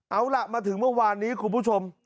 เอาล่ะมาถึงเมื่อวานนี้คุณผู้ชม